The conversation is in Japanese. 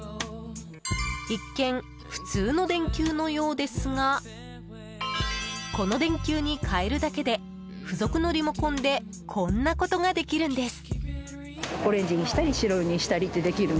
一見、普通の電球のようですがこの電球に替えるだけで付属のリモコンでこんなことができるんです。